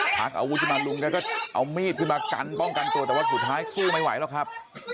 พักอาวุธขึ้นมาลุงแกก็เอามีดขึ้นมากันป้องกันตัวแต่ว่าสุดท้ายสู้ไม่ไหวหรอกครับ